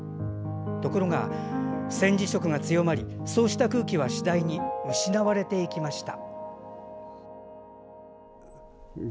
ところが戦時色が強まりそうした空気は次第に失われていきました。